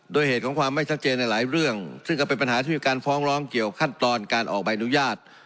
โดยเหตุของความไม่ชัดเจนในหลายเรื่องซึ่งก็เป็นปัญหาที่มีการฟ้องร้องเกี่ยวขั้นตอนการออกใบอนุญาต